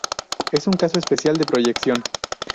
Es un caso especial de proyección.